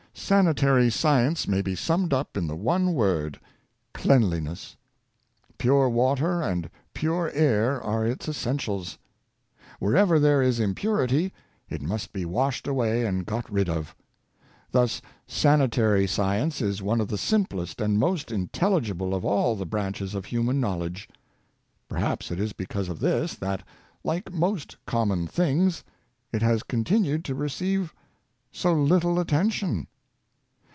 Sanitary science may be summed up in the one word — cleanliness. Pure water and pure air are its essen tials. Wherever there is impurity, it must be washed away and got rid of Thus sanitary science is one of the simplest and most intelligible of all the branches of human knowledge. Perhaps it is because of this that, like most common things, it has continued to receive so little attention.